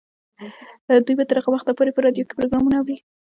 دوی به تر هغه وخته پورې په راډیو کې پروګرامونه اوري.